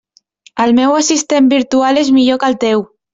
El meu assistent virtual és millor que el teu.